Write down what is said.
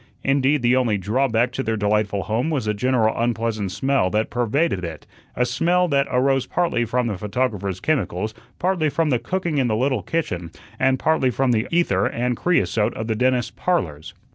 Indeed, the only drawback to their delightful home was the general unpleasant smell that pervaded it a smell that arose partly from the photographer's chemicals, partly from the cooking in the little kitchen, and partly from the ether and creosote of the dentist's "Parlors."